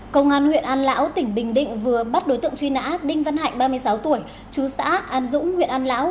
công an huyện an lão tỉnh bình định vừa bắt đối tượng truy nã đinh văn hạnh ba mươi sáu tuổi chú xã an dũng huyện an lão